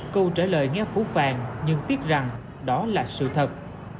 câu trả lời nghe phú phàng nhưng tiếc rằng đó là sự thật